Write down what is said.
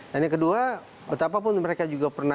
dan yang kedua apapun mereka juga pernah